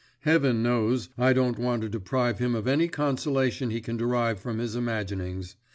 Heaven knows, I don't want to deprive him of any consolation he can derive from his imaginings.